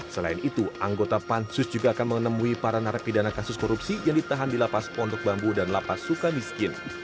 selain itu anggota pansus juga akan menemui para narapidana kasus korupsi yang ditahan di lapas pondok bambu dan lapas suka miskin